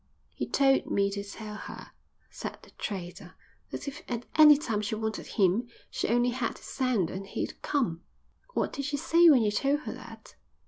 "He told me to tell her," said the trader, "that if at any time she wanted him she only had to send and he'd come." "What did she say when you told her that?"